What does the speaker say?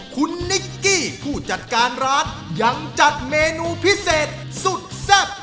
คุณนิกกี้ผู้จัดการร้านยังจัดเมนูพิเศษสุดแซ่บ